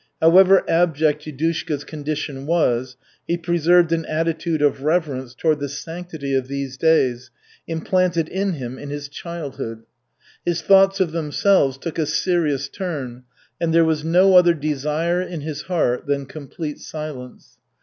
However abject Yudushka's condition was, he preserved an attitude of reverence toward the sanctity of these days implanted in him in his childhood. His thoughts of themselves took a serious turn, and there was no other desire in his heart than complete silence.